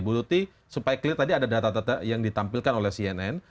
bu luthi supaya clear tadi ada data data yang ditampilkan oleh cnn